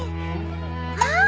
あっ！